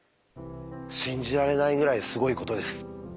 信じられないぐらいすごいことです。